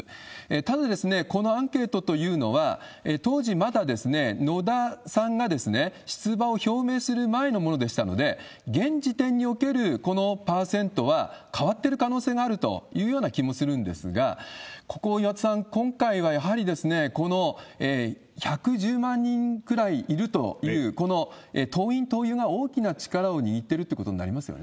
ただ、このアンケートというのは、当時、まだ野田さんが出馬を表明する前のものでしたので、現時点におけるこのパーセントは変わってる可能性もあるというような気もするんですが、ここ、岩田さん、今回はやはり１１０万人ぐらいいるという、この党員・党友が大きな力を握っているということになりますよね